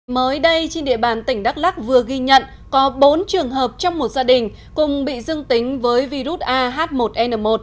mới đây trên địa bàn tỉnh đắk lắc vừa ghi nhận có bốn trường hợp trong một gia đình cùng bị dương tính với virus ah một n một